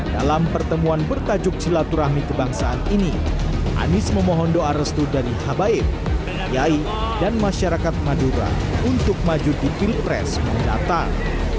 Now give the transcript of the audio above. dalam pertemuan bertajuk silaturahmi kebangsaan ini anies memohon doa restu dari habaib kiai dan masyarakat madura untuk maju di pilpres mendatang